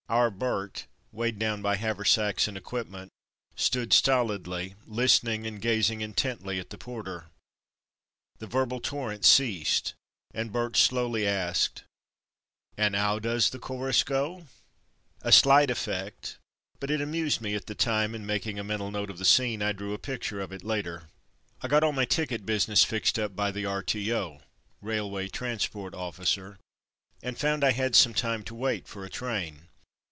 ^'Our Bert'' weighed down by haversacks and equipment, stood stolidly listening and gazing intently at the porter. The verbal torrent ceased, and Bert slowly asked, "And 'ow does the chorus go?" A slight effect, but it amused me at the time, and making a mental note of the scene, I drew a picture of it later. I got all my ticket business fixed up by the R.T.O. (Railway Transport Officer) and found I had some time to wait for a train.